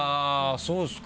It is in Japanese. そうですか。